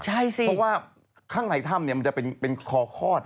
ใช่สิเพราะว่าข้างในถ้ำเนี่ยมันจะเป็นคอคลอด